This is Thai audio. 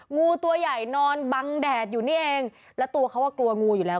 งูตัวใหญ่นอนบังแดดอยู่นี่เองแล้วตัวเขาอ่ะกลัวงูอยู่แล้ว